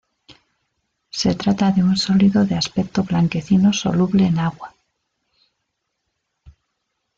Se trata de un sólido de aspecto blanquecino soluble en agua.